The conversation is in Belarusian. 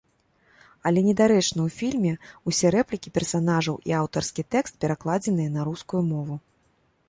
Але недарэчна ў фільме ўсе рэплікі персанажаў і аўтарскі тэкст перакладзеныя на рускую мову.